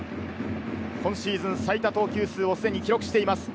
今シーズン最多投球数をすでに記録しています。